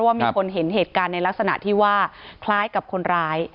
ว่ามีคนเห็นเหตุการณ์ในลักษณะที่ว่าคล้ายกับคนร้าย